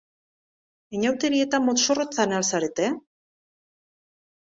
Inauterietan mozorrotzen al zarete?